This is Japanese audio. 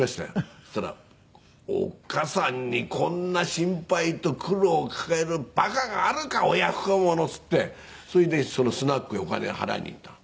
そしたら「おっかさんにこんな心配と苦労かける馬鹿があるか親不孝者」って言ってそれでそのスナックへお金払いにいったの。